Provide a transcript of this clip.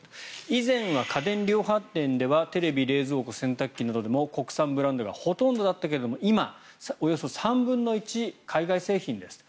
以前は家電量販店ではテレビ、冷蔵庫、洗濯機などでも国産ブランドがほとんどだったけども今、およそ３分の１が海外製品です。